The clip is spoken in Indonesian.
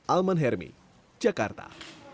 alman hermi jakarta